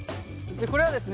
これはですね